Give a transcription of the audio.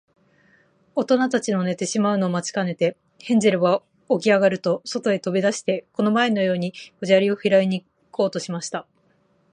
おとなたちの寝てしまうのを待ちかねて、ヘンゼルはおきあがると、そとへとび出して、この前のように小砂利をひろいに行こうとしました。